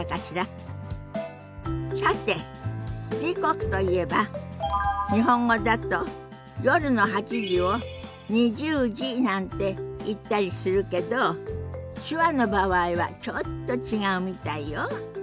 さて時刻といえば日本語だと夜の８時を２０時なんて言ったりするけど手話の場合はちょっと違うみたいよ。